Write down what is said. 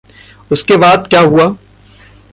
उसके बाद क्या हुआ?